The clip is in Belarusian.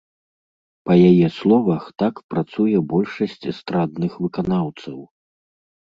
Па яе словах, так працуе большасць эстрадных выканаўцаў.